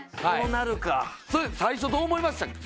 そうなるか最初どう思いました？